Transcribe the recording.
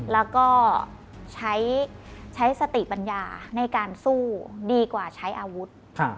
แล้วก็ใช้สติปัญญาในการสู้ดีกว่าใช้อาวุธ